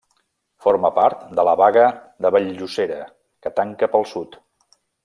Forma part de la Baga de Vall-llosera, que tanca pel sud.